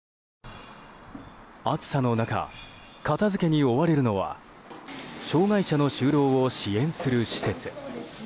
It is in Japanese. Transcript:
暑さの中片付けに追われるのは障害者の就労を支援する施設。